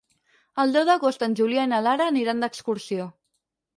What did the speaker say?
El deu d'agost en Julià i na Lara aniran d'excursió.